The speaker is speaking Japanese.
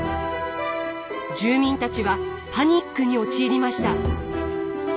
住民たちはパニックに陥りました。